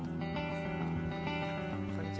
こんにちは。